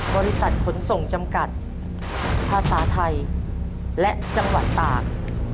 บริษัทขนส่งจำกัดภาษาไทยและจังหวัดตาก